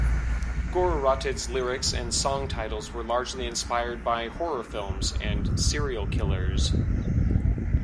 Gorerotted's lyrics and song titles were largely inspired by horror films and serial killers.